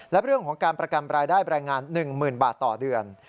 และเรื่องของการประกันรายได้แบรนด์งาน๑๐๐๐บาทต่อเดือน